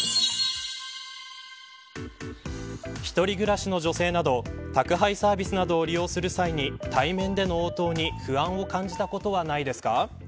１人暮らしの女性など宅配サービスなどを利用する際に対面での応答に不安を感じたことはないですか。